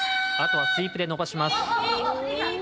あとはスイープでのばします。